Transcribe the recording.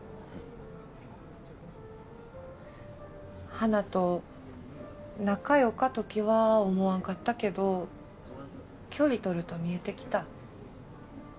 花と仲良か時は思わんかったけど距離取ると見えてきた。